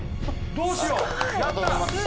どうしよう！